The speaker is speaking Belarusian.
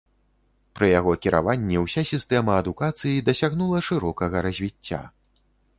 Пры яго кіраванні ўся сістэма адукацыі дасягнула шырокага развіцця.